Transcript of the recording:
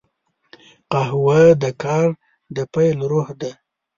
قهوه د کار د پیل روح ده